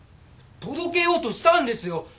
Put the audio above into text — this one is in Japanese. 届けようとしたんですよ。